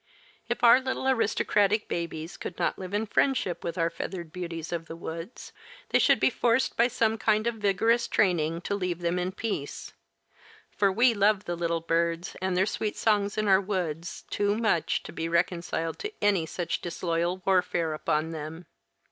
If our little aristocratic babies could not live in friendship with our feathered beauties of the woods, they should be forced by some kind of vigorous training to leave them in peace; for we loved the little birds, and their sweet songs in our woods, too much to be reconciled to any such disloyal warfare upon them.